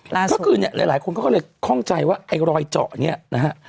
เมื่อคืนเนี่ยหลายคนก็เลยคล่องใจว่าไอ้รอยเจาะเนี่ยนะฮะ